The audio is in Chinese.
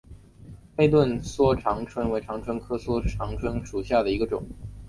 黑盾梭长蝽为长蝽科梭长蝽属下的一个种。